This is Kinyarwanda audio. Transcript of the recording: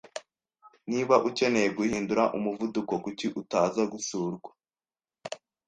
Niba ukeneye guhindura umuvuduko, kuki utaza gusurwa?